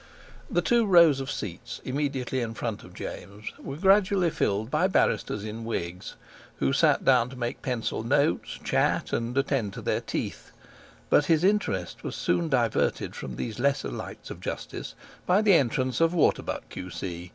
The two rows of seats immediately in front of James were gradually filled by barristers in wigs, who sat down to make pencil notes, chat, and attend to their teeth; but his interest was soon diverted from these lesser lights of justice by the entrance of Waterbuck, Q.C.